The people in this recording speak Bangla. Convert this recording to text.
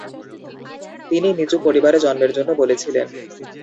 তিনি নীচু পরিবারে জন্মের জন্য বলেছিলেন।